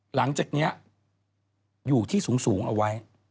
หลังจากนี้อยู่ที่สูงเอาไว้